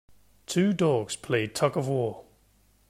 Two dogs play tugofwar